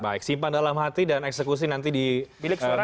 baik simpan dalam hati dan eksekusi nanti di bilik suara